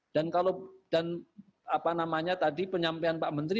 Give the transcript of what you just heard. dan apa namanya tadi penyampaian pak menteri